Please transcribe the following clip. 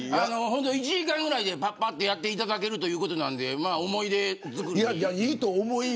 １時間ぐらいでぱっぱっとやっていただけるということだったので思い出づくりに。